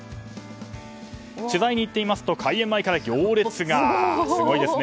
取材に行ってみますと開園前から行列が。